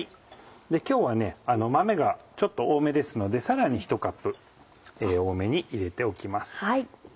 今日は豆がちょっと多めですのでさらに１カップ多めに入れておきます。